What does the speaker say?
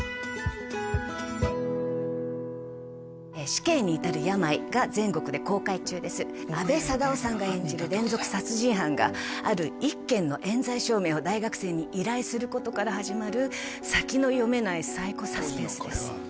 「死刑にいたる病」が全国で公開中です阿部サダヲさんが演じる連続殺人犯がある１件の冤罪証明を大学生に依頼することから始まる先の読めないサイコ・サスペンスです